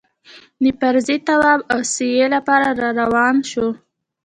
د فرضي طواف او سعيې لپاره راروان شوو.